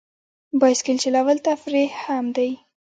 بایسکل چلول تفریح هم دی.